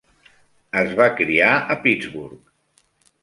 Es va criar a Pittsburgh.